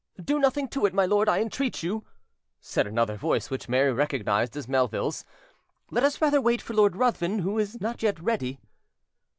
"Do nothing to it, my lord, I entreat you," said another voice, which Mary recognised as Meville's. "Let us rather wait for Lord Ruthven, who is not yet ready."